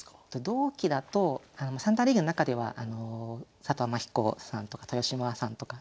同期だと三段リーグの中では佐藤天彦さんとか豊島さんとか。